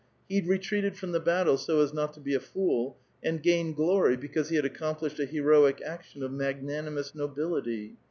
He retreated from the battle so as not to be a fool, and gained glory because he had accomplished a heroic action of mag nanimous nobility.